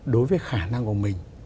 đối với khả năng của mình